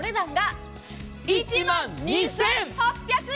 １万２８００円。